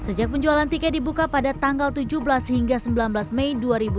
sejak penjualan tiket dibuka pada tanggal tujuh belas hingga sembilan belas mei dua ribu dua puluh